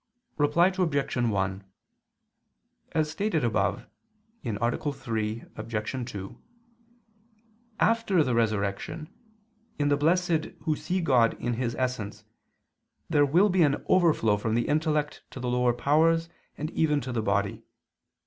Reply Obj. 1: As stated above (A. 3, Obj. 2), after the resurrection, in the blessed who see God in His essence, there will be an overflow from the intellect to the lower powers and even to the body.